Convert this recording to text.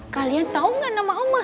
kalian tau gak nama oma